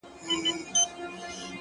د خپل ښايسته خيال پر زرينه پاڼه”